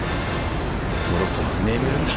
そろそろ眠るんだ。